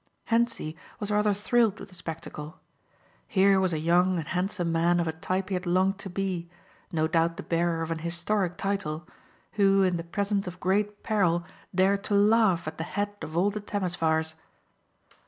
Hentzi was rather thrilled with the spectacle. Here was a young and handsome man of a type he had longed to be, no doubt the bearer of an historic title, who in the presence of great peril dared to laugh at the head of all the Temesvars.